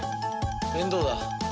面倒だ。